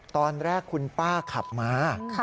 ตอนแรกคุณป้าขับมา